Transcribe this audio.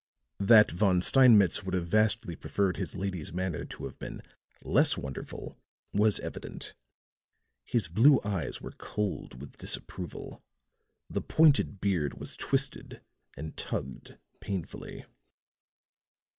That Von Steinmetz would have vastly preferred his lady's manner to have been less wonderful was evident; his blue eyes were cold with disapproval; the pointed beard was twisted and tugged painfully.